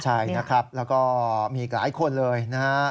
ใช่นะครับแล้วก็มีอีกหลายคนเลยนะฮะ